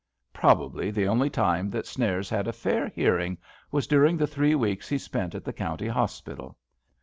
Probably the only time that Snares had a fair hearing was during the three weeks he spent at the County Hospital.